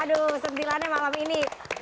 aduh sentilannya malam ini